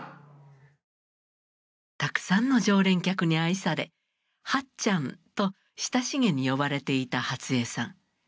たくさんの常連客に愛され「はっちゃん」と親しげに呼ばれていた初江さん。